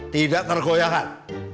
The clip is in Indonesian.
tidak tergoyah kan